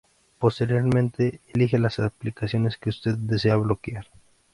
Posteriormente elige las aplicaciones que usted desea bloquear.